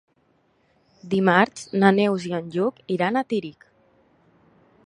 Dimarts na Neus i en Lluc iran a Tírig.